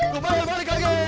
kumain balik lagi